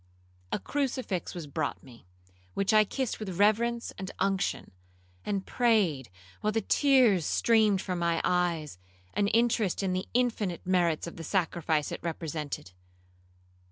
A crucifix was brought me, which I kissed with reverence and unction, and prayed, while the tears streamed from my eyes, an interest in the infinite merits of the sacrifice it represented.